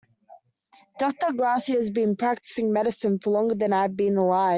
Doctor Garcia has been practicing medicine for longer than I have been alive.